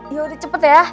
ya udah cepet ya